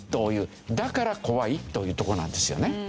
だから怖いというところなんですよね。